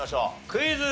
クイズ。